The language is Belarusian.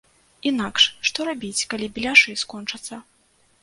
Інакш, што рабіць, калі беляшы скончацца?